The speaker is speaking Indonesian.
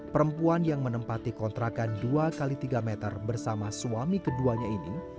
perempuan yang menempati kontrakan dua x tiga meter bersama suami keduanya ini